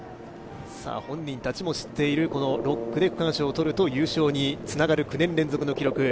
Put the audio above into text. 本人たちも知っている６区で区間賞を取ると優勝につながる９年連続の記録